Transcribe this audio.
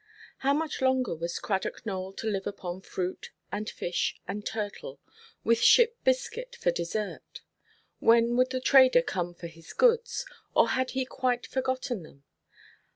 How much longer was Cradock Nowell to live upon fruit, and fish, and turtle, with ship–biscuit for dessert? When would the trader come for his goods, or had he quite forgotten them?